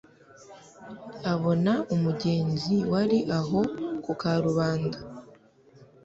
abona umugenzi wari aho ku karubanda